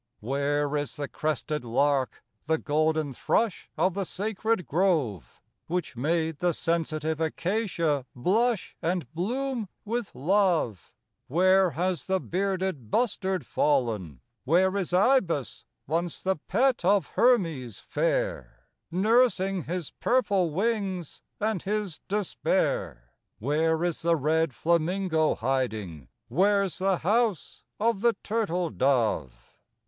2 8 Where is the crested lark, the golden thrush Of the sacred grove, Which made the sensitive accacia blush And bloom with love ? Where has the bearded bustard fallen? where Is Ibis, once the pet of Hermes fair, Nursing his purple wings and his despair? Where is the red flamingo hiding, where's the house of the turtle dove?